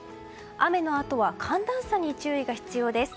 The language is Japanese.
雨のあとは寒暖差に注意が必要です。